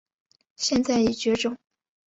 现在已绝种。